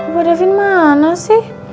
buat devyn mana sih